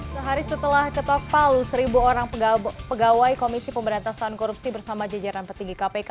sehari setelah ketok palu seribu orang pegawai komisi pemberantasan korupsi bersama jajaran petinggi kpk